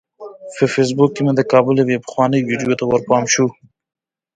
په فیسبوک کې مې د کابل یوې پخوانۍ ویډیو ته ورپام شو.